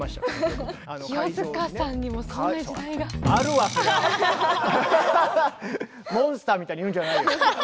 まさにそういうモンスターみたいに言うんじゃないよ！